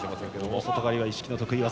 大外刈りは一色の得意技。